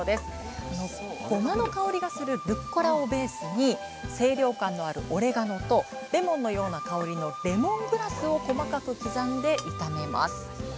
ゴマの香りがするルッコラをベースに清涼感のあるオレガノとレモンのような香りのレモングラスを細かく刻んで炒めます。